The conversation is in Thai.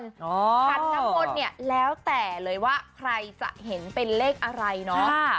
ขันน้ำมนต์เนี่ยแล้วแต่เลยว่าใครจะเห็นเป็นเลขอะไรเนาะ